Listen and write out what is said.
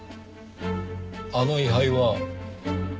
あの位牌は？えっ？